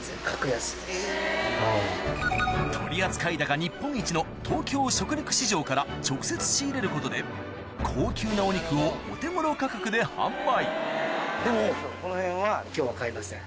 取扱高日本一の東京食肉市場から直接仕入れることで高級なお肉をお手頃価格で販売すいません。